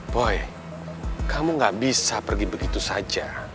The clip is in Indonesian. boy kamu gak bisa pergi begitu saja